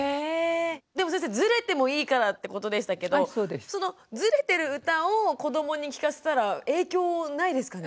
でも先生ずれてもいいからってことでしたけどそのずれてる歌を子どもに聞かせたら影響ないですかね？